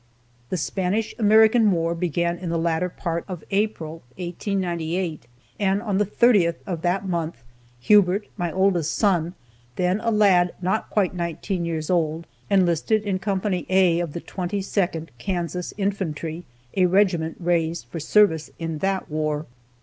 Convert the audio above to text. The Spanish American war began in the latter part of April, 1898, and on the 30th of that month, Hubert, my oldest son, then a lad not quite nineteen years old, enlisted in Co. A of the 22nd Kansas Infantry, a regiment raised for service in that war.